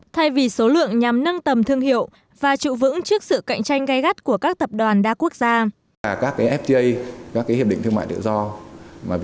thay vì số lượng nhằm nâng tầm thương hiệu và trụ vững trước sự cạnh tranh gai gắt của các tập đoàn đa quốc gia